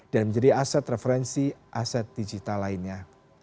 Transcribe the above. dan menjadi aset referensi aset digital lainnya